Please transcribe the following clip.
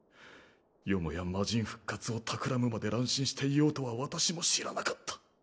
よもや魔神復活を企むまで乱心していようとは私も知らなかった。